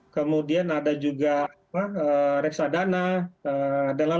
kemudian ada juga reksadana